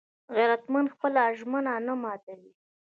غیرتمند خپله ژمنه نه ماتوي